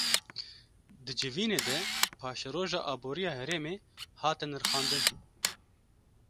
Di civînê de paşeroja aboriya herêmê hate nirxandin